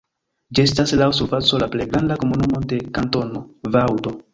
Ĝi estas laŭ surfaco la plej granda komunumo de Kantono Vaŭdo.